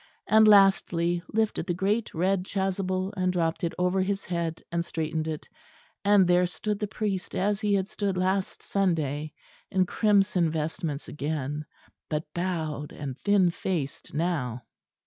and lastly, lifted the great red chasuble and dropped it over his head and straightened it and there stood the priest as he had stood last Sunday, in crimson vestments again; but bowed and thin faced now.